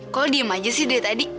kok diem aja sih dari tadi